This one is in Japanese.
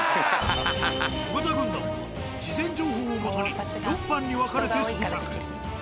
尾形軍団は事前情報を基に４班に分かれて捜索。